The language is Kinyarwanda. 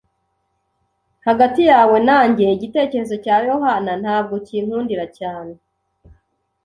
Hagati yawe nanjye, igitekerezo cya Yohana ntabwo kinkundira cyane.